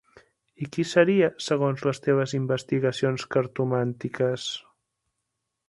I qui seria, segons les teves investigacions cartomàntiques?